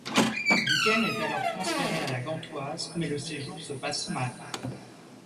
Duquesne est alors transféré à La Gantoise, mais le séjour se passe mal.